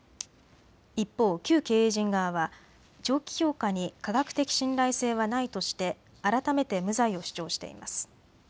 一方、旧経営陣側は長期評価に科学的信頼性はないとして改めて無罪を主張しています。